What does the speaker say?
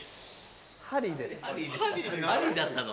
・ハリーだったの？